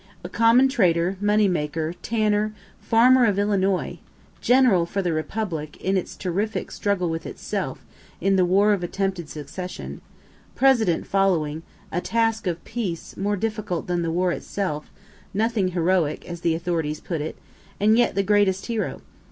A common trader, money maker, tanner, farmer of Illinois general for the republic, in its terrific struggle with itself, in the war of attempted secession President following, (a task of peace, more difficult than the war itself) nothing heroic, as the authorities put it and yet the greatest hero.